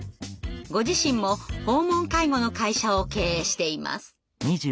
ご自身も訪問介護の会社を経営しています。